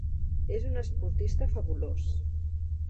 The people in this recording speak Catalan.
És un esportista fabulós.